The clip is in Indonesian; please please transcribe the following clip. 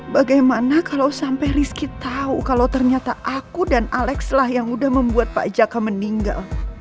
bagaimana kalau sampai rizky tahu kalau ternyata aku dan alex lah yang udah membuat pak jaka meninggal